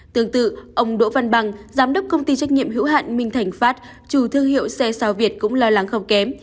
tương tự ông đỗ văn bằng giám đốc công ty trách nhiệm hữu hạn minh thành pháp chủ thương hiệu xe sao việt cũng lo lắng không kém